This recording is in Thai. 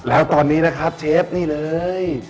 แล้วตอนนี้นะครับเชฟนี่เลย